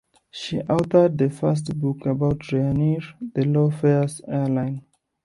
She authored the first book about Ryanair, the low-fares airline.